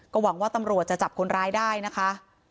หวังว่าตำรวจจะจับคนร้ายได้นะคะ